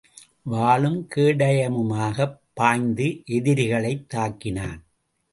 வாளும் கேடயமுமாகப் பாய்ந்து எதிரிகளைத் தாக்கினான்.